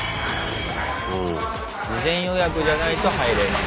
事前予約じゃないと入れない。